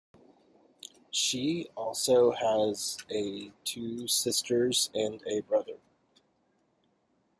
She also has a two sisters and a brother.